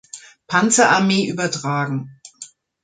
Panzerarmee übertragen.